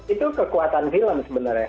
itu kekuatan film sebenarnya